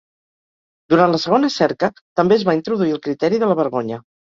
Durant la segona cerca també es va introduir el criteri de la vergonya.